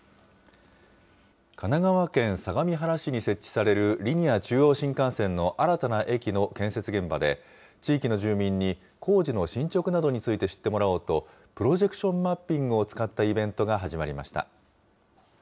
神奈川県相模原市に設置されるリニア中央新幹線の新たな駅の建設現場で、地域の住民に工事の進捗などについて知ってもらおうと、プロジェクションマッピングを使ったイベントが始まりました。